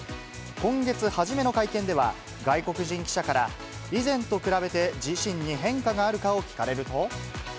今月初めの会見では、外国人記者から、以前と比べて自身に変化があるかを聞かれると。